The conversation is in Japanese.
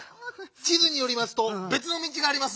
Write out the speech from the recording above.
ちずによりますとべつのみちがあります。